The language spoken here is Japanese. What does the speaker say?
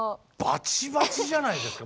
バチバチじゃないですか。